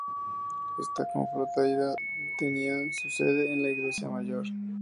Esta cofradía tenía su sede en la iglesia mayor.